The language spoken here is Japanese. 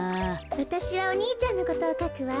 わたしはお兄ちゃんのことをかくわ。